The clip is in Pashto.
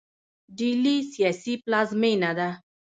ډیلي سیاسي پلازمینه ده.